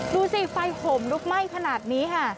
ดูสิไฟโหมลุกไหม้ขนาดนี้ค่ะ